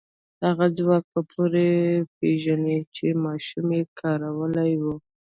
هغه ځواک به پوره وپېژنئ چې ماشومې کارولی و.